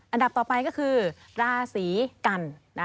อันดับต่อไปก็คือราศีกัน